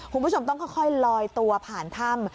คุณผู้ชมต้องค่อยลอยตัวผ่านถ้ำ